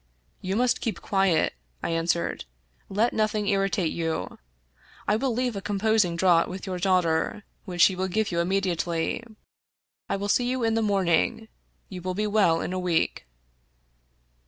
" You must keep quiet," I answered. " Let nothing ir ritate you. I will leave a composing draught with your daughter, which she will give you immediately. I will see you in the morning. You will be well in a week."